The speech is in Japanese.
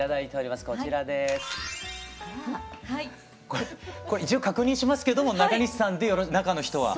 これこれ一応確認しますけども中西さんで中の人は。